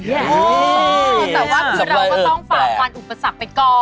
แต่ว่าคือเราก็ต้องฝ่าฟันอุปสรรคไปก่อน